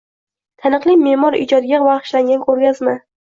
Taniqli me’mor ijodiga bag‘ishlangan ko‘rgazma